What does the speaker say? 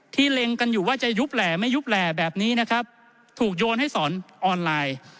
เล็งกันอยู่ว่าจะยุบแหล่ไม่ยุบแหล่แบบนี้นะครับถูกโยนให้สอนออนไลน์